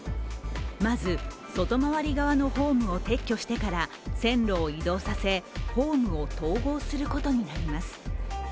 まず外回り側のホームを撤去してから線路を移動させホームを統合することになります。